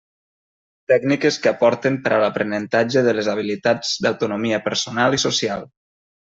Tècniques que aporten per a l'aprenentatge de les habilitats d'autonomia personal i social.